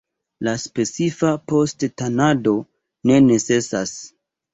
Ia specifa post-tanado ne necesas.